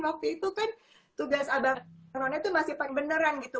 waktu itu kan tugas abang nonenya itu masih penbeneran gitu